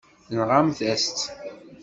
Tenɣamt-as-tt.